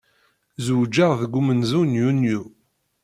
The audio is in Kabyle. Zewǧeɣ deg umenzu n Yunyu.